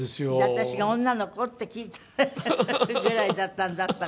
私が「女の子？」って聞いたぐらいだったんだから。